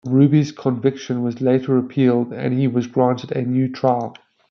Ruby's conviction was later appealed and he was granted a new trial.